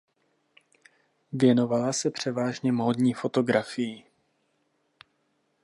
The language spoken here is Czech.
Věnovala se převážně módní fotografii.